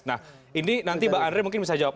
nah ini nanti mbak andre mungkin bisa jawab